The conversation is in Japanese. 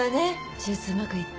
手術うまくいって。